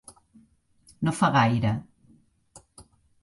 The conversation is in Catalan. No fa gaire.